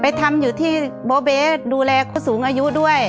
ทำอยู่ที่โบเบสดูแลเขาสูงอายุด้วย